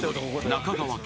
中川家］